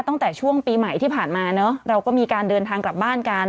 ตั้งแต่ช่วงปีใหม่ที่ผ่านมาเนอะเราก็มีการเดินทางกลับบ้านกัน